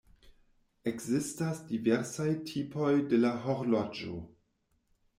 Ekzistas diversaj tipoj de la horloĝo.